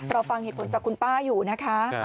ฟังเหตุผลจากคุณป้าอยู่นะคะ